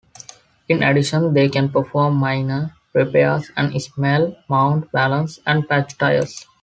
In addition, they can perform minor repairs and sell, mount, balance, and patch tires.